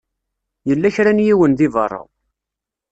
Yella kra n yiwen di beṛṛa.